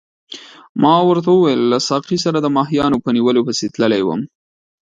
ما ورته وویل له ساقي سره د ماهیانو په نیولو پسې تللی وم.